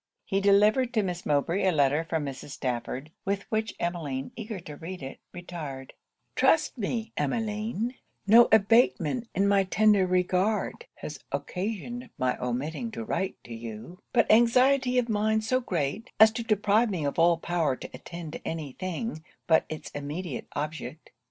He delivered to Miss Mowbray a letter from Mrs. Stafford, with which Emmeline, eager to read it, retired 'Trust me, Emmeline, no abatement in my tender regard, has occasioned my omitting to write to you: but anxiety of mind so great, as to deprive me of all power to attend to any thing but it's immediate object.